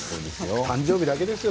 誕生日だけですよ